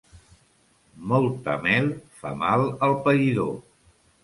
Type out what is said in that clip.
Molta mel fa mal al païdor.